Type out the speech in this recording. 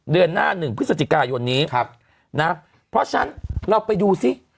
เดือนหน้าหนึ่งพฤศจิกายนนี้นะเพราะฉะนั้นเราไปดูซิ